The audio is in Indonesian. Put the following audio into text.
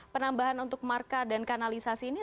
penambahan untuk marka dan kanalisasi ini